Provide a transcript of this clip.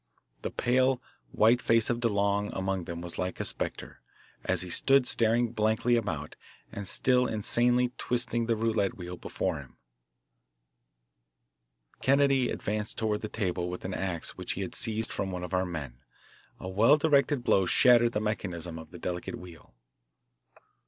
The pale white face of DeLong among them was like a spectre, as he stood staring blankly about and still insanely twisting the roulette wheel before him. Kennedy advanced toward the table with an ax which he had seized from one of our men. A well directed blow shattered the mechanism of the delicate wheel.